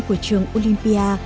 của trường olympia